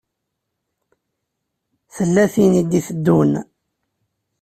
Tella tin i d-iteddun.